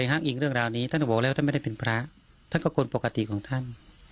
คำสอนเนื้อตาของท่านเอาเนื้อตาของท่าน